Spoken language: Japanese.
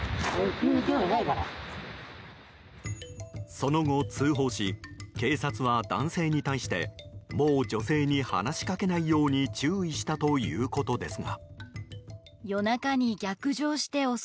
その後、通報し警察は男性に対してもう女性に話しかけないように注意したということですが。